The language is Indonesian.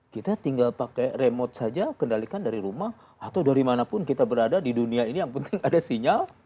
kita tinggal pakai remote saja kendalikan dari rumah atau dari manapun kita berada di dunia ini yang penting ada sinyal